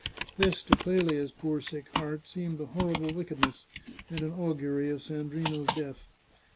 This, to Clelia's poor sick heart, seemed a horrible wickedness, and an augury of Sandrino's death.